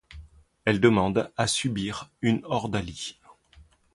Elle demande à subir une ordalie.